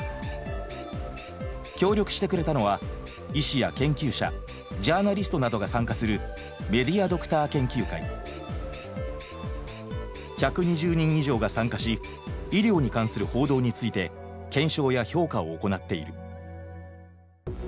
協力してくれたのは医師や研究者ジャーナリストなどが参加する医療に関する報道について検証や評価を行っている。